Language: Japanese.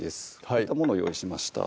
こういったものを用意しました